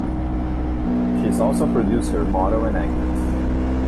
She is also a producer, model and actress.